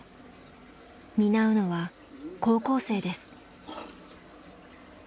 担うのは高校生です。